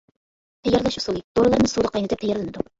تەييارلاش ئۇسۇلى: دورىلارنى سۇدا قاينىتىپ تەييارلىنىدۇ.